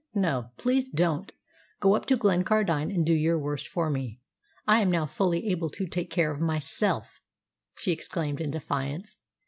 "No, please don't. Go up to Glencardine and do your worst for me. I am now fully able to take care of myself," she exclaimed in defiance.